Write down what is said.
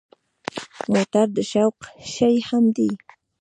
موټر د شوق شی هم دی.